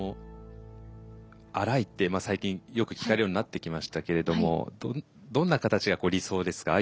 アライって最近よく聞かれるようになってきましたけれどもどんな形が理想ですか？